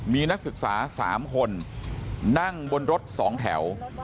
มีนักศึกษาสามคนนั่งบนรถสองแถว